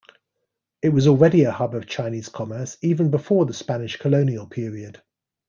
It was already a hub of Chinese commerce even before the Spanish colonial period.